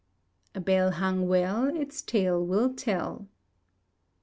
[A BELL HUNG WELL ITS TALE WILL TELL.